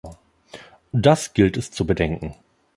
Das gilt es zu bedenken.